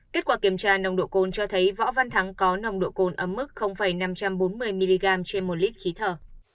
kết quả kiểm tra nồng độ côn cho thấy võ văn thắng có nồng độ côn ấm mức năm trăm bốn mươi mg trên một lít khí thở